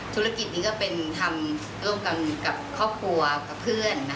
ธุรกิจนี้ก็เป็นทำร่วมกันกับครอบครัวกับเพื่อน